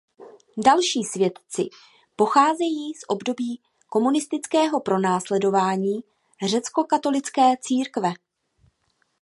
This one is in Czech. Další světci pocházejí z období komunistického pronásledování řeckokatolické církve.